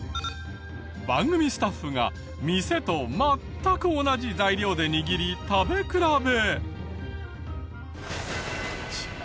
番組スタッフが店と全く同じ材料で握り食べ比べ。